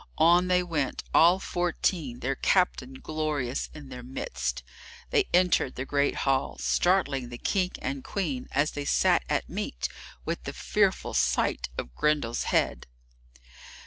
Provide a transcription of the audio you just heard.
On they went, all fourteen, their captain glorious in their midst. They entered the great hall, startling the King and Queen, as they sat at meat, with the fearful sight of Grendel's head.